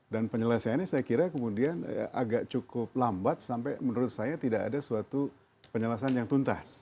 dan penyelesaiannya saya kira kemudian agak cukup lambat sampai menurut saya tidak ada suatu penyelesaian yang tuntas